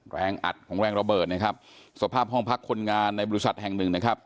แรงอัดของแรงระเบิดนะครับสภาพห้องพักคนงานในบริษัทแห่งหนึ่งนะครับ